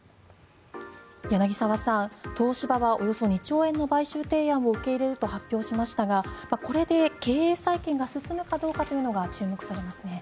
柳澤さん、東芝はおよそ２兆円の買収提案を受け入れると発表しましたがこれで経営再建が進むかどうかというのが注目されますね。